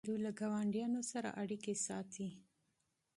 دوی له ګاونډیانو سره اړیکې ساتي.